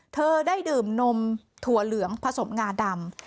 เธอได้ดื่มนมถั่วเหลืองผสมงาดำ